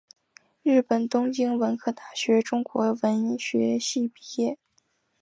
日本东京文科大学中国文学系毕业。